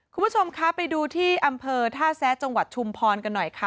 คุณผู้ชมคะไปดูที่อำเภอท่าแซะจังหวัดชุมพรกันหน่อยค่ะ